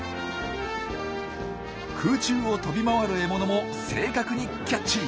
空中を飛び回る獲物も正確にキャッチ。